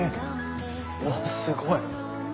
うわっすごい！